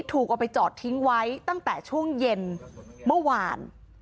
ถูกเอาไปจอดทิ้งไว้ตั้งแต่ช่วงเย็นเมื่อวาน